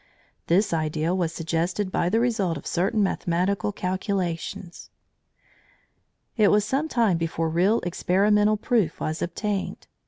This idea was suggested by the result of certain mathematical calculations. It was some time before real experimental proof was obtained.